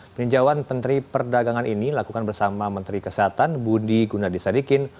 peninjauan menteri perdagangan ini lakukan bersama menteri kesehatan budi gunadisadikin